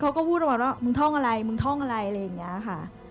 เขาก็พูดประมาณว่ามึงท่องอะไรมึงท่องอะไรอะไรอย่างนี้ค่ะ